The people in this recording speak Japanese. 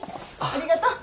ありがとう。